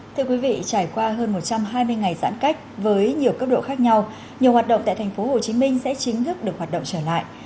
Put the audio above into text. thưa quý vị trải qua hơn một trăm hai mươi ngày giãn cách với nhiều cấp độ khác nhau nhiều hoạt động tại tp hcm sẽ chính thức được hoạt động trở lại